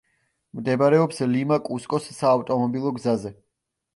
მდებარეობს ლიმა–კუსკოს საავტომობილო გზაზე.